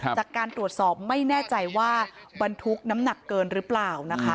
จากการตรวจสอบไม่แน่ใจว่าบรรทุกน้ำหนักเกินหรือเปล่านะคะ